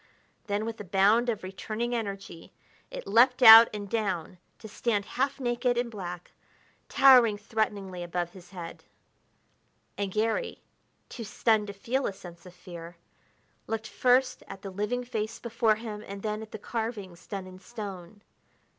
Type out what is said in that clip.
Then, with a bound of returning energy, it leaped out and down to stand half naked and black, towering threateningly above his head. And Garry, too stunned to feel a sense of fear, looked first at the living face before him and then at the carvings done in stone.